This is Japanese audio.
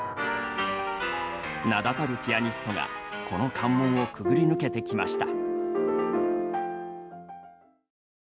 名だたるピアニストがこの関門をくぐり抜けてきました。